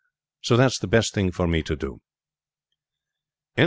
So that's the best thing for me to do."